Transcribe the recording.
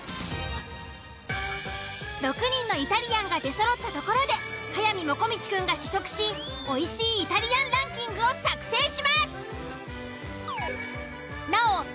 ６人のイタリアンが出そろったところで速水もこみちくんが試食しおいしいイタリアンランキングを作成します。